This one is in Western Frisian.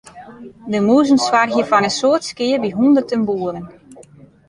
De mûzen soargje foar in soad skea by hûnderten boeren.